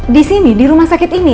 disini di rumah sakit ini ya